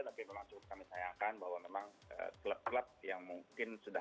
tapi memang cukup kami sayangkan bahwa memang klub klub yang mungkin sudah